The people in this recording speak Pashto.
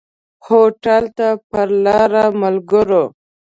هوټل ته پر لاره ملګرو.